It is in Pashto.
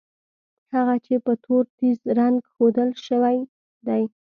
هغه چې په تور تېز رنګ ښودل شوي دي.